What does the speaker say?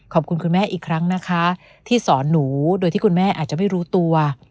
ขอบคุณคุณแม่อีกครั้งนะคะที่สอนหนูโดยที่คุณแม่อาจจะไม่รู้ตัว